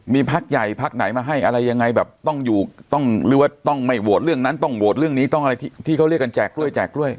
มีพักใหญ่พักไหนมาให้อะไรยังไงแบบต้องอยู่ต้องหรือว่าต้องไม่โหวตเรื่องนั้นต้องโหวตเรื่องนี้ต้องอะไรที่เขาเรียกกันแจกด้วยแจกด้วย